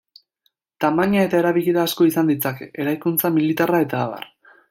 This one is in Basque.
Tamaina eta erabilera asko izan ditzake: eraikuntza, militarra eta abar.